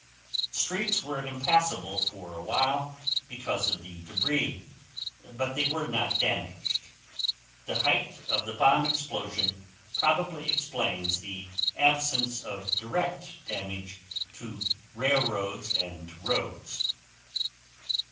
Streets were impassable for awhile because of the debris, but they were not damaged. The height of the bomb explosion probably explains the absence of direct damage to railroads and roads.